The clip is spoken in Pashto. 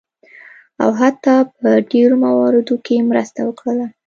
او حتی په ډیرو مواردو کې مرسته وکړله.